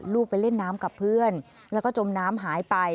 ไปเล่นน้ำกับเพื่อนแล้วก็จมน้ำหายไป